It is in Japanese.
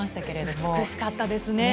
美しかったですね。